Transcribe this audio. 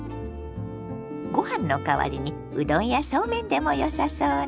ご飯の代わりにうどんやそうめんでもよさそうね。